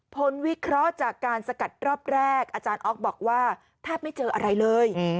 วิเคราะห์จากการสกัดรอบแรกอาจารย์ออฟบอกว่าแทบไม่เจออะไรเลย